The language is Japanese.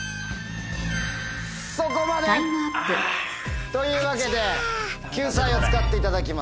そこまで！というわけで救済を使っていただきます。